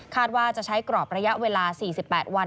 ว่าจะใช้กรอบระยะเวลา๔๘วัน